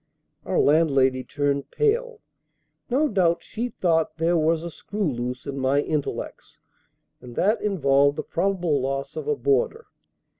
[Our landlady turned pale; no doubt she thought there was a screw loose in my intellects, and that involved the probable loss of a boarder.